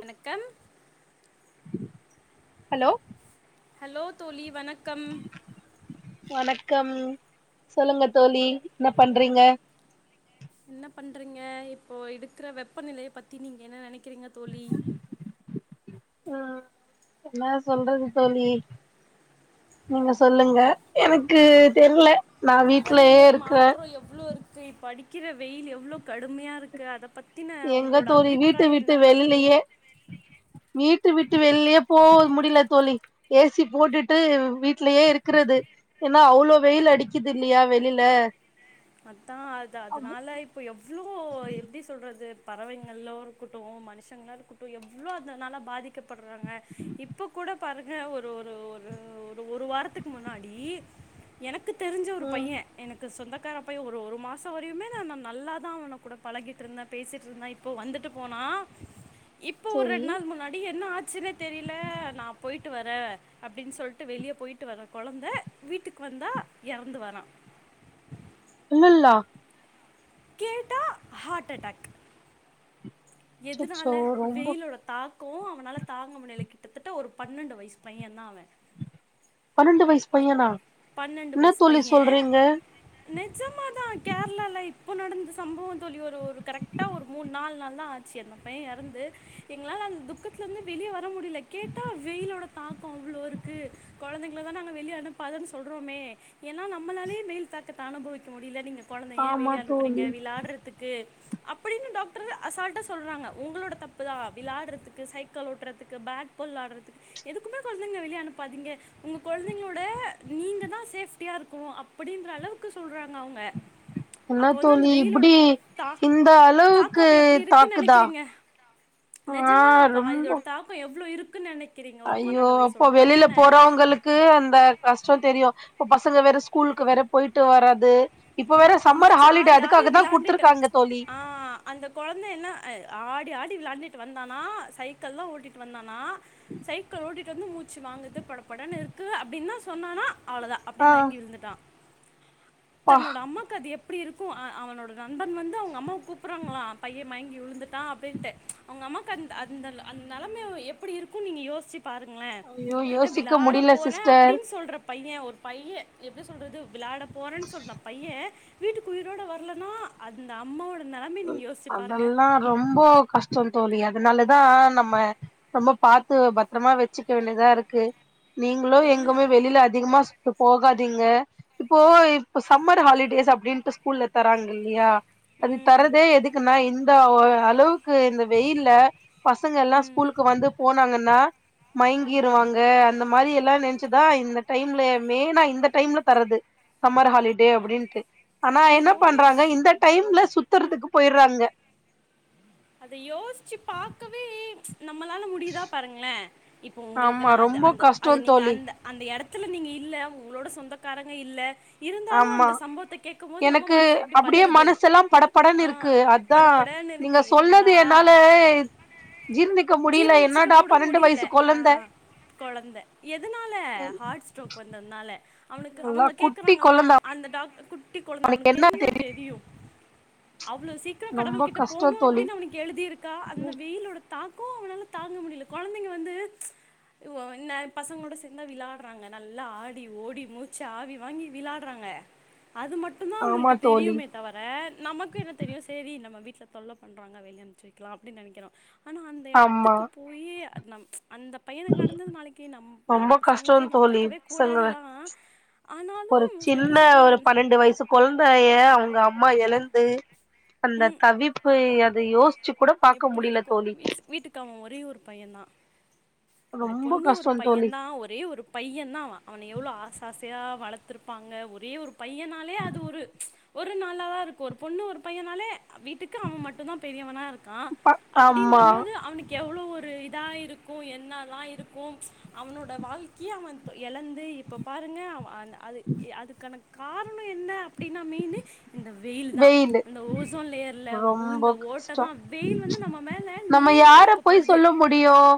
வணக்கம் hello hello தோழி வணக்கம் கம் சொல்லுங்க தோழி என்ன பண்றீங்க என்ன பண்றீங்க இப்போ இருக்குற வெப்பநிலைய பத்தி நீங்க என்ன நெனைக் னைக்கறீங்க தோழி ஆஹ் என்னா சொல்றது தோழி நீங்க சொல்லுங்க எனக்கு தெர்ல நா வீட்லயே வெப்பநிலை இருக்கற மாற்றம் எவ்ளோ இருக்கு படிக் க்கிற வெயில் எவ்ளோ கடுமையா இருக்கு அத பத் எங்க தோழி வீட்ட விட்டு இருக்கு வெளிலயே வீட் வீட்ட விட்டு வெளிளயே போக முடில தோழி ஏ சி போட்டுட்டு வீட்லயே இருக்கறது ஏன்னா அவ்ளோ வெயில் அடிக்குது இல்லையா வெளில அத்தான் அது அதுனால இப்ப எவ்ளோ எப்டி சொல்றது பறவைங்கள்லோ இருக்கட்டும் மனுஷங்களாம் இருக்கட்டும் எவ்ளோ அதுனால பாதிக்கப்படுறாங்க இப்போ கூட பாருங்க ஒரு ஒரு ஒரு ஒ ஒரு வாரத்துக்கு முன்னாடி எனக் எனக்கு தெரிஞ்ச ஒரு ம் பையன் எனக் எங்க சொந்தக்கார அப்பயே ஒரு ஒரு மாசம் வரையுமே நான் நான் நல்லாதான் அவன கூட பழகிட்டு இருந்தேன் பேசிட்டு இருந்தேன் இப்போ வந்துட்டு போன்னா இப்போ ஒரு செரி ரெண்டு நாள் முன்னாடி என்ன ஆ ச்சுனே தெரில நா போயிட்டு வரே அப்டின்னு சொல்லிட்டு வெளியே போயிட்டு வர குழந்த வீட்டுக்கு வந்தா இறந்து வரா [unintelligible] கேட்டா ஹார்ட்டோடக் எதுனால அச்சச்சோ ரொம்ப வெயிலோட தாக் க்கும் அவனால தாங்க முடியல கிட்டத்தட்ட ஒரு பன்னெண்டு வயசு பையன் தா அவ பன்னென்டு வயசு பையனா பன்னெண்டு என்ன வயசு தோழி பைய சொல்றீங்க [unintelligible] ஷ்ஜமாதா கேரளா லை இப்ப நடந்த சம்பவம் தோழி ஒரு ஒரு கரெக்டா ஒரு மூன் நாலு நாள் தா ஆச்சு அந்த பைய இறந்து எங்களால அந்த துக்கத்துலந்து வெளிய வ முடியல கேட்டா வெயிலோட தாக்கோ அவ்ளோருக்கு குழந்தைங்கள [unintelligible] வெளிய அனுப்பாதன் சொல்றோமே ஏன்னா நம்மளாலேயே வெயில் தாக்கத்த அனுபவிக்க முடியல நீங்க குழந்தையே ஏ ஆமா வெளிய அனுப்புறீங்க தோழி விளாட்றதுக்கு அப்படின்னு டாக்டரு அசால்டா சொல்றாங்க உங்களோட தப்புதா விளையாட்றதுக்கு, சைக்கிள் ஓட்டுறதுக்கு, பேக் போல் விளையாடுறதுக்கு எதுக்குமே குழந்தைங்க வெளிய அனுப்பாதீங்க உங்க குழந்தைங்களோட நீங்க தான் சேப்டியா இருக்கணும் அப்படின்ற அளவுக்கு சொல்றாங் [unintelligible] அவங்க என்ன அப்ப வந்து தோழி அந்த வெயிலோட இப்டி தாக் இந்த அளவுக்கு தாக்கம் அப்ப எப்டி இருக்கு தாக்குதா நினைக்கிறீங்க. ஆ நிஜமா அப்போ ரொம்ப அதோட தாக்கம் எவ்வளவு இருக் க்கு நெனைக் ஐயோ அப்போ வெளில போறவங்களுக்கு அந்த கஷ்ட தெரியும் இப்ப பசங்க வேற ஸ்கூலுக்கு வேற போயிட்டு வரது உம் மூச்சு ஆவி ஆவி விளாண்டுட்டு குடுத்துருக்காங்க தோழி ஆஹ் அந்த குழந்தை என்ன ஆ ஆடி ஆடி விளாண்ட் ட்டு வந்தானா சைக்கிள் தா ஓட்டிட்டு வந்தானா சைக்கிள் ஓட்டிட் [unintelligible] மூச்சு வாங்குது படப்படனுருக்கு அப்டின்தா சொன்னானா அவ்ளோதா ஆ அப்டியே மயங்கி விழுந்துட்டா ப்பா தன்னோட அம்மாக்கது எப் எப்படி இருக்கும் அ அவனோட நண்பர்கள் வந்து அவங்க அம்மாவ கூப்படறாங்களாம் பைய மயங்கி விழுந்துட்டா அப்டின்டு அவங்க அம்மாக்கு அந்த அந்த அந்த நிலைமை எப்படியிருக்கும் நீங்க யோசிச்சி பாருங்களன் ஐயோ என்ன யோசிக்க விளாட முடில போறே சிஸ்டர் அப்படின் சொல்றப் பைய ஒரு பைய எப்டி சொல்றது விளாட போறேன்னு சொன்னா பைய வீட்டுக்கு உயிரோடு வரலனா அந்த அம்மாவோட நிலமையை நீங்கள் யோசிச்சு பாருங்கள் அதெல்லா ரொம்ப கஷ்டந்தோழி அதனாலதா நம்ம ரொம்ப பாத்து பத்திரமா வச்சுக்க வேண்டியதா இருக்கு நீங்களு எல் எங்கமே வெளியில அதிகமா சு இப்ப போகாதீங்க, இப்போ இப்ப சம்மர் ஹாலிடேஸ் அப்டின்ட்டு ஸ்கூல்ல தராங்கல்லியா அது ம் த எதுக்குனா இந்த வ அளவுக் க்கு இந்த வெயில்ல பசங்க ல்லா ம் ம் ஸ்கூலுக்கு வந்து போனாங்கன்னா ம். மயங்கிருவாங்க அந்த மாரியெல்லா நெனச்ச அத்தா இந்த டைம்ல மெயினா இந்த டைம்ல பரவுது, சம்மர் ஹாலிடே அப்புடின்னுட்டு. ஆனா அது என்ன யோசி பண்றாங்க இந்த டைம்ல சுத் த்தறதுக்கு போயிற்றாங்க அத யோசிச்சு பாக்கவே நம்மளால முடியுதா பாருங்களே. இப்போ உங்களுக்கு ஆமா நா அது ரொம்ப அந்த கஷ்டோ அது நீங்க தோழி அந்த அந்த எடத் இத்துல நீங்க இல்ல உங்களோட சொந்தக்காரங்க இல்ல. இருந்தாலும் ஆமா அந்த சம்பவத்த கேக்கும் போது நம்ம எனக்கு மனசு எப்புடி அப்டியே பதருது மனசெல்லா படப்படன்னு ஆ இருக்கு அதா படபடன்னு இருக் நீங்க என்னடா, சொன்னது என்னால ஜீர்ணிக்க முடியல ஜீர்ணிச்சுக்க என்னடா கூட பன்னெண்டு முடில வயசு ஆ கொழந்த குழந்த எதனால ஹார்ட் ஸ்ட்ரோக் வந்ததுனால அவனுக்கு நல்லா அவங்க குட்டி கேக்கறாங்களா கொழந்த அந்த டாக்டர் குட் குட்டி் குழந்த அவனுக்கு என்ன தெரியு. அவ்வளோ சீக்கிரம் ரொம்ப கடவுல் கிட்ட கஷ்டோ போணு ப் தோழி ப்புடின்னு அவனுக்கு எழுதிருக்கா அந்த வெயிலோட தாக் போ அவனால தாங்க முடில கொழந்தைங்க வந்து, இவ்கோ என்ன பசங்களோட சேந்தா விளாட்றாங்க நல்லா ஆடி ஓடி மூச்சு ஆவி வாங்கி விளாட்றாங்க. அது மட்டு தா ஆமா உங்குளுக்கு தோழி தெரியுமே தவர நமக்கும் என்ன தெரியு சேரி நம்ம வீட்டுல பண்றாங்க வெளிய அம்ச்சி வைக்கலா அப்டின்னு நனைக்கிறோ ஆனா அந்த ஆமா எடத்துக்கு போயி அத் நம் அந்த பையனுக்கு நடந்தது நாளைக்கு நம் நம்ம ரொம்ப கஷ்டோ பசங்களுக்கு தோழி நடக்கவே பசங்க, கூடாது தான் ஒரு ஆனாலும் சின்ன எப்படி சொல்கிறது ஒரு அந்த பன்னெண்டு வயசு குழந்தைய அவங்க அம்மா எழந்து அந்த தவிப்பு அத யோசிச்சு கூட பாக்க எப்டி முடில இருக்கு தோழி வீட் வீட்டுக்கு அவ ஒரே ஒரு பையந்தா ஒரு ரொம்ப பொண்ணு ஒரு கஷ்டோ தோழி பையன் தான் ஒரே ஒரு பையன் தான் அவன் அவன எவ்ளோ ஆசாச சையா வளத்திருப்பாங்க ஒரே ஒரு பையனாலே அது ஒரு ஒரு நாளாவா இருக்கும் ஒரு பொண்ணு ஒரு பையன் நாலே அ வீட்டுக்கு அவன் மட்டு தா பெரியவனா இருக்கான், ப அப்புடின்ற ஆமா போது அவனுக் எவ்ளோ ஒரு இதா இருக்கும் என்னெல்லா இருக்கும் அவனோட வாழ்க்கைய அவன் தொ எழந்து இப்போ பாருங்க அவ அந் அது அது கணக் காரணம் என்ன அப்டின்னா மெயின் இந்த வெயில் தான் லு இந்த ஓசோன் லேயர்ல ரொம்ப உளுந்த ஓட்டை கஷ்டம் தான் வெயில் வந்து நம்ம மேல நம்ம நேரா யார இப்ப போய் படுது சொல்ல முடியும்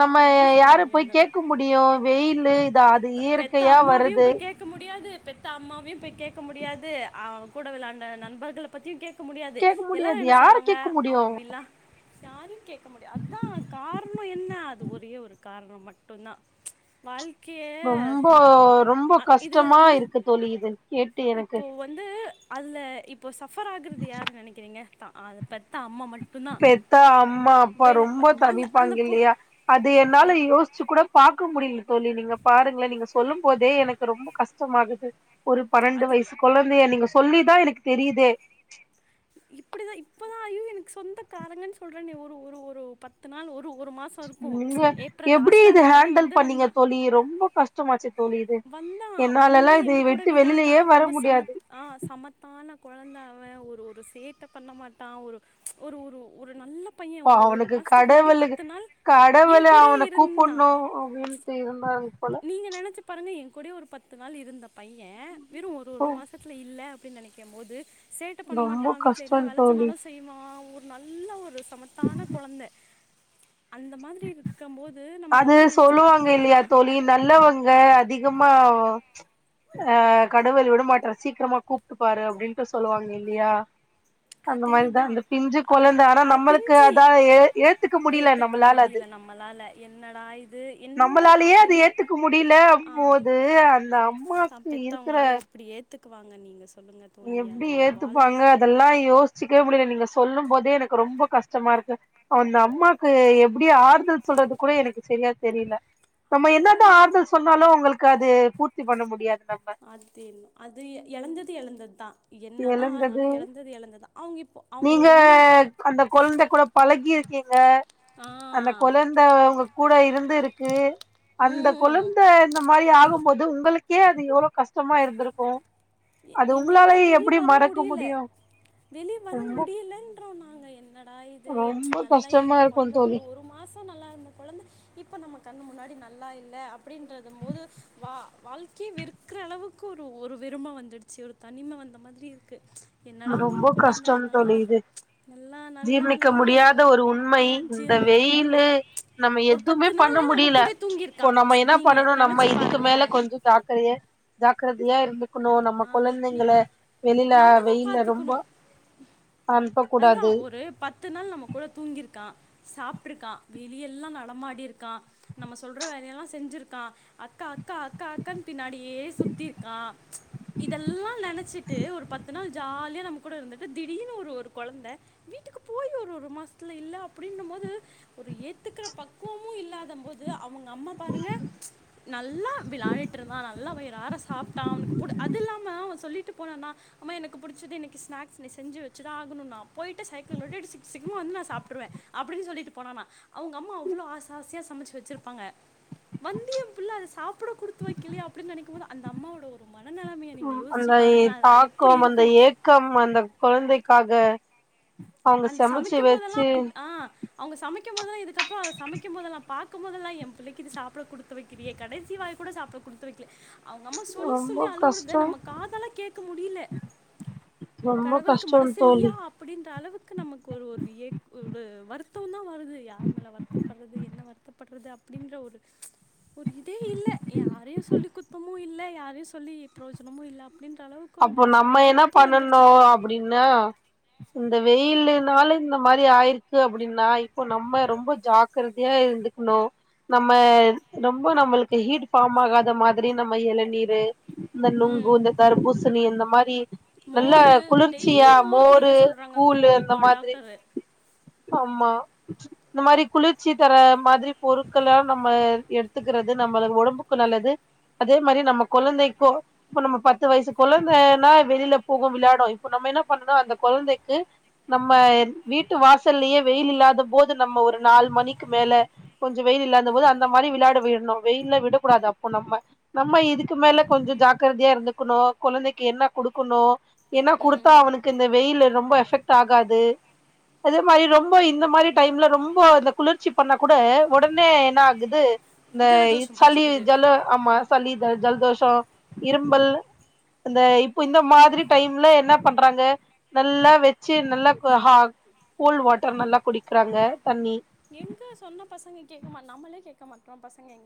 நம்ம சொல்ல யார போய் முடியாது கேட்க முடியும் வெயிலு இத அது பெத்த இயற்கையா அம்மாவையு வருது போய் கேட்க முடியாது பெத்த அம்மாவையும் போய் கேட்க முடியாது ஆஹ் கூட விளையாண்ட நண்பர்க பத்தியு கே முடியாது கேக்க எல்லாரும் முடியாது என்ன யார சொல்லுவாங்க கேக்க முடியு அவன் அப்டில்லாம் சாமி கேக் க முடியும் அதுதான் கார ணம் என்ன அது ஒரே ஒரு காரணம் மட்டும் தான் வாழ் ரொம்போ ரொம்ப இதுல கஷ்டமா வந்து இருக்கு தோழி இது கேட்டு எனக்கு இப்போ வந்து அதுல இப்போ சப் ஃபர் ஆகுறது யாருன் நினைக்கிறீங்க தான் அத பெத்தா அம்மா ம பெத்தா அம்மா அப்பா ரொம்ப அந்த தவிப்பாங்க அந்த பொ இல்லையா அது என்னால யோசிச்சு கூட பாக்க முடியல தோழி நீங்க பாருங்களே நீங்க சொல்லும் போதே எனக்கு ரொம்ப கஷ்டமாகுது ஒரு அது பன்னெண்டு வயசு குழந்தைய நீங்க சொல்லிதான் எனக்கு தெரியுதே இப்டிதான் இப்பதான் ஐயோ எனக்கு சொந்த காரங்கன்னு சொல்றேன் ஒரு ஒரு ஒரு பத்து நாள் ஒரு ஒரு மாதம் இருக்கும் நீங்க ஏப்ரல் எப்டி லாஸ்ட்டில் இது அந்த பையன் ஹேண்டல் பண்ணீங்க தோழி ரொம்ப கஷ்டமாச்சே வந்தா வந்து எங்க கூட விட்டு விளாண்டா வெளிலயே வர ரொம்ப முடியாது சமத் ஆஹ் சமத்தான கொழந்த அவன் ஒரு ஒரு சேத்த பண்ண மாட்டான் ஒரு ஒரு ஒரு ஒரு நல்ல பையன் அப்ப ஒரு ஒரு அவனுக்கு மாதத்துக்கு முன்னாடி கடவுளு பத்து நாள் என் கடவுளே கூடயே அவனை இருந்தான் கூப்புணும் அப்டின்னுட்டு இருந்தாங்க போல நீங்க நெனச்சு பாருங்க என் கூடவே ஒரு பத்து நாள் இருந்தான் பையன் வெறும் ஒரு ஒரு மாசத்துல இல்லை அப்பிடின்னு நெனைக்கும் போது சேட்டை பண்ண ரொம்ப மாட்டான் வீட்ல கஷ்டோ என்ன தோழி வேலச்சொன்னாலும் செய்வான் ஒரு நல்ல ஒரு சமத்தான கொழந்த அந்த மாதிரி இருக்கம் போ அது சொல்லுவாங்க இல்லையா தோழி நல்லவங்க அதிகமா அஹ் கடவுள் விடுமாட்டார் சீக்கிரமா கூப்டுபாரு அப்டின்ட்டு சொல்லுவாங்க இல்லையா அந்த அதேதா மாரிதான் அந்த பிஞ்சுக் அது கொழந்த ஆனா அது நம்மளுக்கு பிஞ்சு அதாவது ஏ ஏத்துக்க முடியல ஏத்துக்க நம்மளால அது முடில நம்மளால என்னடா இது என்னோட நா நம்மளாலயே அது என் ஏத்துக்க முடியல ஆஹ் போது அந்த அம்மாக்கு பெத்த அவங்களால எப்டி ஏத்துக்குவாங்க நீங்க சொல் எப்படி ஏத்துப்பாங்க அதெல்லாம் யோசி சிக்கவெ முடியாது நீங்க சொல்லும் போதே எனக்கு ரொம்ப கஷ்டமா இருக்கு அந்த அம்மாக்கு எப்படி ஆறுதல் சொல்றது கூட எனக்கு சரியா தெரில நம்ம என்னத அதேதா தோழி ஆறுதல் சொன்னாலும் அங்களுக்கு அது ப திருப்தி பண்ண முடியாது நம்ம அதின்னும் அது எழந்தது எழந்தது தான் ஏழந்தது அவங்க இப்போ நீங்க அவங்களோட இன்னொரு பொண் அந்த குழந்தை கூட பழகிருக்கீங் அஹ் அந்த ஆ கொழந்த உங்க கூட இருந்துருக்கு கு அந்த ம் கொழந்த இந்த மாரி ஆக இருக்கும்போது உங்களுக்கே அது எவ்வளவு கஷ்டமா இருந்திருக்கும் எங்களாலா வெளிய வர முடியல முடியு வெளிய வர ரொம்ப முடியலன்றோ நாங்க என்னட அது ரொம்ப நல்லா கஷ்டமா இருந்த இருக்கு கொழந்த தோழி ஒரு ஒரு மாசம் நல்லா இருந்த கொழந்தை இப்போ நமக்கு கண்ணு முன்னாடி நல்லா இல்ல அப்படின்ற து போது வா வாழ்க்கையை வெறுக்கற அளவுக்கு ஒரு ஒரு வெறும வந்து டிச்சு ஒரு தனிம வந்த மாதிரி இருக்கு ரொம்ப கஷ்டம் தோழி இது நல்லா நல்லா ஜீர்ணிக்க நல்லா முடியாத எவ் ஒரு உண்மை ஆ, இந்த ஜீரணிக்க வெயில ம் நம்ம ஒரு எதுவுமே பத்து பண்ண நாள்ல நம்ம முடியல கூட இப்போ தூங்கியிருக்கான் நம்ம என்ன நீங்க பண்ணணும் நம்ம நினைச்சு இதுக்கு பாருங்க மேல கொஞ்சம் ஜாக்கரதைய ஜாக்கரதையா இருக் இருக்கணும் நம்ம ஆ கொழந்தைங்கல வெளில வெயில்லா க்கணும் அதுதான் ஒரு பத்து நாள் நம்ம கூட தூங்கிருக்கா சாப்பிட்டு இருக்கான் வெளியெல்லாம் நடமாடி இருக்கான் நம்ம சொல்ற வேலையெல்லாம் செஞ்சிருக்கான் அக்கா அக்கா அக்கா அக்கான்னு பின்னாடியே சுத்தி இருக்கான் இதெல்லாம் நெனச்சிட்டு ஒரு பத்து நாள் ஜாலியா நம கூட இருந்துட்டு திடீர்னு ஒரு ஒரு கொழந்தை வீட்டுக்கு போய் ஒரு ஒரு மாசத்துல இல்ல அப்படின்னும் போது ஒரு ஏத்துக்கிற பக்குவமும் இல்லாத போது அவங்க அம்மா பாருங்க நல்லா விளாடிட்டு இருந்தான் நல்லா வயிறாற சாப்டான் அவனுக்கு கூட சொல்லிட்டு போனானா அம்மா எனக்கு புடிச்ச இன்னக்கி ஸ்நாக்ஸ் செஞ்சு வச்சுத ஆகணும் நா போயிட்டு சைக்கிள் ஓட்டிட்டு சிக்கார சிக்ரமா வந்து நா சப்பிட்டுறுவேன் அப்டின்னு சொல்லிட்டு போனான்ன அவங்க அம்மா அவ்வளலோ ஆசயா சமைச்சு வெச்சிருப்பாங்க வந்து என் புள்ள அதா சாப்பிட குடுத்து வைக்கலையே அப்டின்னு நெனைக்கும் போது அந்த அம்மாவோட ஒரு மனநிலைமையை நீங்கள் அந்த யோசிச்சு பாருங்கள் அது எப்படி தாக்கம் அந்த இருக்கும் ஏக்கம் அந்த குழந்தைக்காக அவங்க அந்த சமைச்சு சமைக்கும் வச்சு போதெல்லாம் ஆஹ் அவங்க சமைக் நினைக்கும்போது தா இது அப்புறம் அத சமைக்கும் போது நான் பாத்து சமைக்கும் போதேல்லாம் என் புள்ளைக்கு இது சாப்பிட குடுத்து வைக்கலையே கடைசி வாய் கூட சாப்பட குடுத்து வைக்கலையே அவங்க அம்மா சொல்லி ரொம்ப சொல்லி அழுவுறத கஷ்டோ நம்ம கதல கேக்க முடியல ரொம்ப கடவுளுக்கு கஷ்டோ மனசு இல்லையா தோழி அப்டின்ற அளவுக்கு நமக்கு ஒரு ஒரு ஒரு வருத்தம் தான் வருது யார் மேல வருத்தப்படுறது என்ன வருத்தப்படுறது அப்டின்ற ஒரு ப்ச் ஒரு இதே இல்ல யாரையும் சொல்லி குத்து குத்தமு இல்ல யாரையும் சொல்லி புரோஜனமு இல்லாம அப்போ நம்ம என்ன பண்ணணு தோழி அப்டின்னா இந்த வெயில் இருந்து னால இந்த மாரி ஆயிருக்கு அப்டின்னா இப்போ நம்ம ரொம்ப ஜாக்ரதையா இருந்துக்கணு நம்ம ரொம்ப நம்மளுக்கு ஹீட் ஃபார்ம் ஆகாத மாதிரி நம்ம இளநீரு இந்த நொங்கு ம் இந்த தர்பூஸ் சோ நீ இந்த மாரி நல்ல மோரு டெய்லி குளிர்ச்சியா மோர் குடிக்க மோரு சொல்றாங்க கோ கூளு அந்த கோ மாதிரி டாக்டரு ஆமா இந்த மாரி குளிர்ச்சி தர மாதிரி பொருட்கள்லா நம்ம எடுத்துக்கிறது நம்ம ஒடம்புக்கு நல்லது அதே மாரி நம்ம குழந்தைக்கும் இப்ப நம்ம பத்து வயசு கொழந்தைன்னா வெளியில போகு விளாடு இப்போ நம்ம என்ன பண்ணுன அந்த கொழந்தைக்கு நம்ம வீட்டு வாசல்லயே வெயில் இல்லாத போது நம்ம ஒரு நாலு மணிக்கு மேல கொஞ்சோ வெயில் இல்லாத போது அந்த மாரி விளாட விடணு வெயில்ல விடக்கூடாது அப்போ நம்ம நம்ம இதுக்கு மேல கொஞ்சோ ஜாக்கிரதையா இருந்துக்கணு கொழந்தைக்கு என்ன குடுக்கணு ஏன்னா குடுத்தா ம் அவனுக்கு இந்த வெயில்ல ரொம்ப ஃபக்ட் ஆகாது அதே மாரி ரொம்ப இந்த மாரி டைம்ல ரொம்ப இந்த குளிர்ச்சி பண்ணா கூட உடனே என்ன ஆகுது ந்த ஜலதோஷம் சளி புடிச்சிக்குது ஜல ஆமா சளி ஜல் ஜல்தோஷ இரும்பல் இந்த இப்ப இந்த மாதிரி டைம்ல என்ன பண்றாங்க நல்லா வச்சு நல்லாஹ கோல்டு வாட்டர் நல்லா குடிக்கிறாங்க தண்ணி எங்க சொன்ன பசங்க கேக் நம்மளே கேக்க மாட்டோ பசங்க எங்க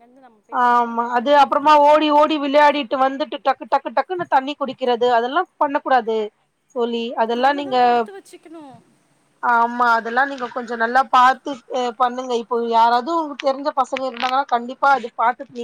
ஆமா அது அப்புறமா ஓடி ஓடி விளையாடிட்டு வந்துட்டு டக்கு டக்கு டக் க்குனு தண்ணி குடிக்கிறது அதெல்லா பண்ணக்கூடாது ஒலி அதெல்லா நம்ம தா நீங்க தடுத்து வச்சுக்கணு ஆமா அதெல்லா நீங்க கொஞ்சோ நல்லா பாத்து பண்ணுங்க இப்போ யாராவது உங்க தெரிஞ்ச பசங்க இருந்தாங்கன்னா கண்டிப்பா அது பாத்துட்டு [unintelligible]